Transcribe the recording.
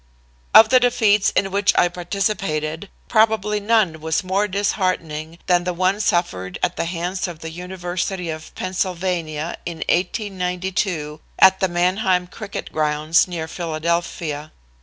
"Of the defeats in which I participated, probably none was more disheartening than the one suffered at the hands of the University of Pennsylvania in 1892 at the Manheim cricket grounds near Philadelphia.